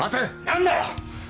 何だよ！？